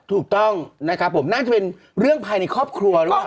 ถูกต้องนะครับผมน่าจะเป็นเรื่องภายในครอบครัวหรือเปล่า